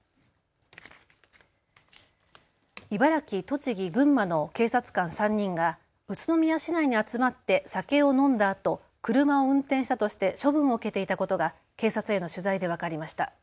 茨城、栃木、群馬の警察官３人が宇都宮市内に集まって酒を飲んだあと車を運転したとして処分を受けていたことが警察への取材で分かりました。